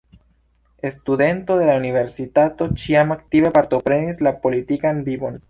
Studentoj de la universitato ĉiam aktive partoprenis la politikan vivon.